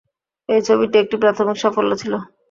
এই ছবিটি একটি প্রাথমিক সাফল্য ছিল।